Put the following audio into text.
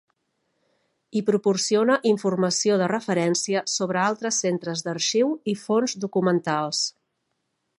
I proporciona informació de referència sobre altres centres d’arxiu i fons documentals.